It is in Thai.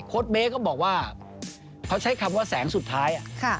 เบ๊ก็บอกว่าเขาใช้คำว่าแสงสุดท้าย